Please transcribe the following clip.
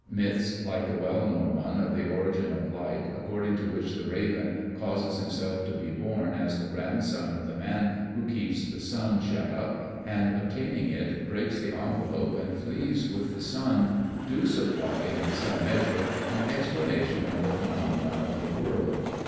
Myths like the well known one of the origin of light, according to which the raven causes him self to be born as the grandson of the man who keeps the sun shut up, and obtaining it breaks the envelope and flees with the sun, do supply in some measure an explanation of the phenomena of the world.